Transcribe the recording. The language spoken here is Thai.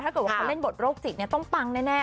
ถ้าเกิดว่าเขาเล่นบทโรคจิตต้องปังแน่